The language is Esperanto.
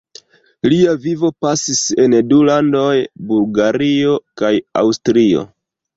Lia vivo pasis en du landoj: Bulgario kaj Aŭstrio.